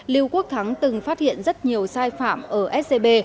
lưu quốc thắng từng phát hiện rất nhiều sai phạm ở scb